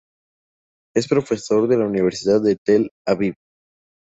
Es profesor en la Universidad de Tel Aviv.